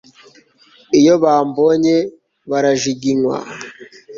iyo bambonye barajiginywa